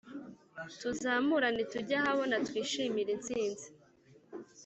tuzamurane tujye ahabona twishimire instinzi